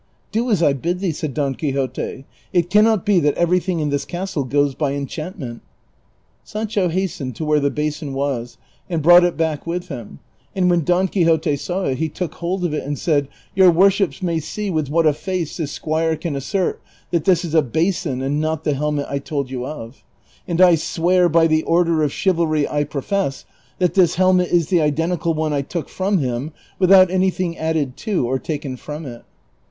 " Do as I bid thee," said Don Quixote ;" it can not be that everything in this castle goes by enchantment." Sancho hastened to where the basin was, and brought it back with him, and when Don Quixote saw it, he took hold of it and said, " Yoiir worships niay see with what a face this scpiire can assert that this is a basin and not the helmet I told you of; and I swear by the order of chivalry I profess, that this hel met is the identical one I took from him, Avithout anything added to or taken from it."